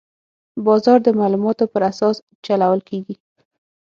بازار د معلوماتو پر اساس چلول کېږي.